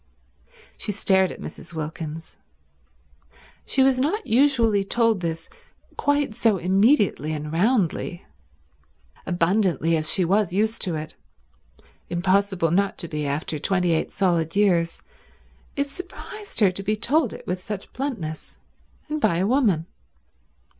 She stared at Mrs. Wilkins. She was not usually told this quite so immediately and roundly. Abundantly as she was used to it— impossible not to be after twenty eight solid years—it surprised her to be told it with such bluntness, and by a woman.